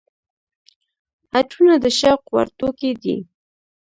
عطرونه د شوق وړ توکي دي.